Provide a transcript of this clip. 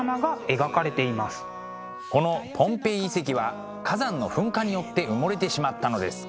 このポンペイ遺跡は火山の噴火によって埋もれてしまったのです。